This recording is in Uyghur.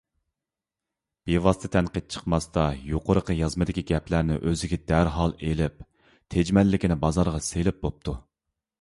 بىۋاسىتە تەنقىد چىقماستا يۇقىرىقى يازمىدىكى گەپلەرنى ئۆزىگە دەرھال ئېلىپ تېجىمەللىكىنى بازارغا سېلىپ بوپتۇ.